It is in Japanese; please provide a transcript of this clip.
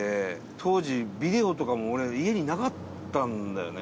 当時、ビデオとかも俺、家になかったんだよね。